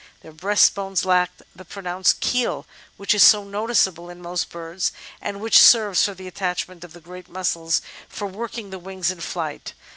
Their breastbones lack the pronounced "keel" which is so noticeable in most birds, and which serves for the attachment of the great muscles for working the wings in flight.